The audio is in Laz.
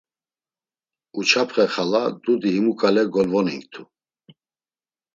Uçapxe xala, dudi himu ǩale golvoninktu.